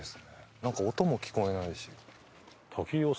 なんか音も聞こえないし。